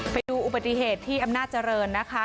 ประดิษฐ์ที่อำนาจเจริญนะคะ